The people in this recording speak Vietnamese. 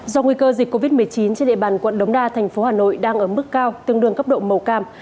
do nguy cơ dịch covid một mươi chín trên địa bàn quận đống đa thành phố hà nội đang ở mức cao tương đương cấp độ màu cam